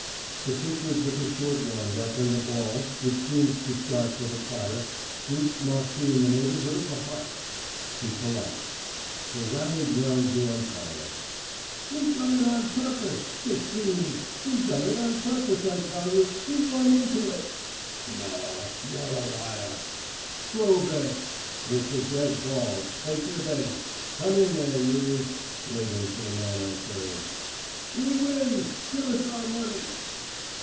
The pitcher took a short wind up and the ball, which seemed to start for the platter, reached Moxey in the neighborhood of the heart. He collapsed. They rallied round the umpire. "He done it on purpose the sheeny he done it on purpose, I tell you he run into it " "Naw, ye're a liar!" "Prove it." "It's a dead ball take your base come in there, youse," waving to the man on third. "We win. Give us our money."